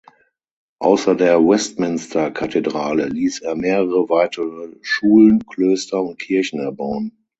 Außer der Westminster-Kathedrale ließ er mehrere weitere Schulen, Klöster und Kirchen erbauen.